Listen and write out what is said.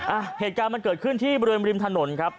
อ่ะเหตุการณ์มันเกิดขึ้นที่บริเวณริมถนนครับ